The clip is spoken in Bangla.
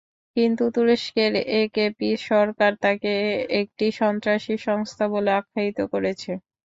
কিন্তু তুরস্কের একেপি সরকার একে একটি সন্ত্রাসী সংস্থা বলে আখ্যায়িত করেছে।